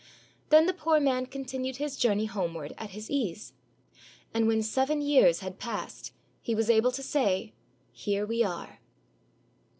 Then the poor man continued his journey homeward at his ease; and when seven years had passed, he was able to say, "Here we are!"